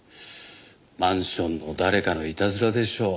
マンションの誰かのいたずらでしょう。